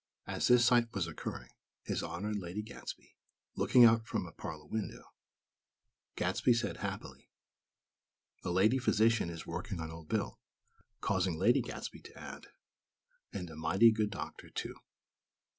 As this sight was occurring, His Honor and Lady Gadsby, looking out from a parlor window, Gadsby said, happily: "A lady physician is working on Old Bill," causing Lady Gadsby to add: "And a mighty good doctor, too."